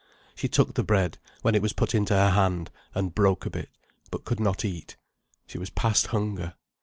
She took the bread, when it was put into her hand, and broke a bit, but could not eat. She was past hunger.